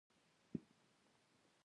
لیمو تریو وي او د وینې لپاره ګټور دی.